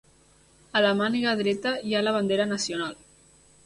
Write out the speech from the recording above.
A la màniga dreta hi ha la bandera nacional.